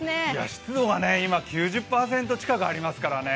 湿度が９０％近くありますからね